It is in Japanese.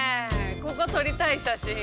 ここ撮りたい写真。